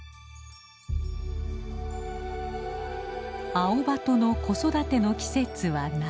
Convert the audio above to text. アオバトの子育ての季節は夏。